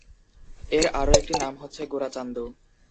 এর আরো একটি নাম হচ্ছে গোরাচান্দ।